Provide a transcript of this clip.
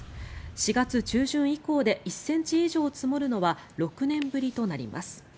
４月中旬以降で１ｃｍ以上積もるのは６年ぶりとなります。